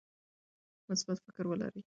مثبت فکر ولرئ.